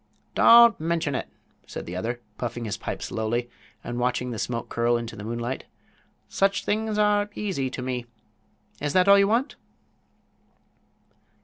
"Don't mention it," answered the other, puffing his pipe slowly and watching the smoke curl into the moonlight. "Such things are easy to me. Is that all you want?"